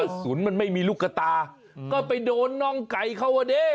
กระสุนมันไม่มีลูกกระตาก็ไปโดนน้องไก่เข้าว่ะเนี่ย